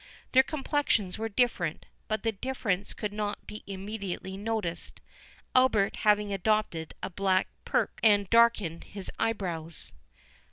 Their complexions were different; but the difference could not be immediately noticed, Albert having adopted a black peruque, and darkened his eyebrows.